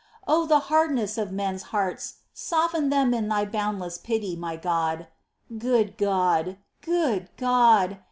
Oh the hardness of men's hearts ! Soften them in Thy boundless pity, m}^ God ! 6. " Good God ! Good God